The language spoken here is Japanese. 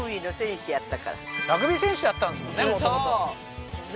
ラグビー選手だったんですもんね